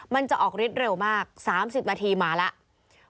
มันจะออกฤทธิ์เร็วมาก๓๐นาทีมาแล้ว